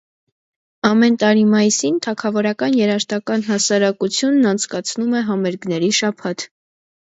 Ամեն տարի՝ մայիսին, թագավորական երաժշտական հասարակությունն անցկացնում է համերգների շաբաթ։